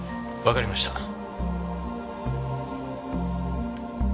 わかりました。